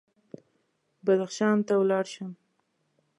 بدخشان ته ولاړ شم.